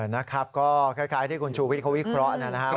นะครับก็คล้ายที่คุณชูวิทย์เขาวิเคราะห์นะครับ